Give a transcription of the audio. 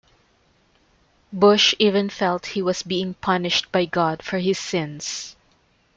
Bush even felt he was being punished by God for his sins.